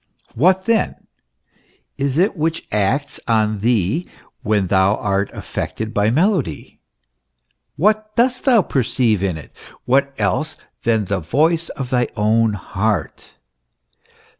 What then is it which acts on thee when thou art affected by melody? What dost thou perceive in it? What else than the voice of thy own heart